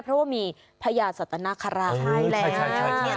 เพราะว่ามีพญาสตนฆราใช่แหละ